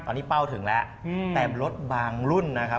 ตอนนี้เป้าถึงแล้วแต่รถบางรุ่นนะครับ